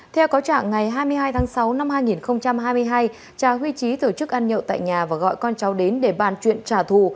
theo có trạng ngày hai mươi hai tháng sáu năm hai nghìn hai mươi hai cha huy trí tổ chức ăn nhậu tại nhà và gọi con cháu đến để bàn chuyện trả thù